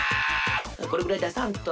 これぐらいださんと。